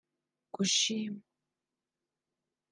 gushima